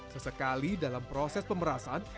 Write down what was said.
sesekali dalam proses pemerasan